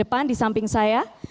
kedepan di samping saya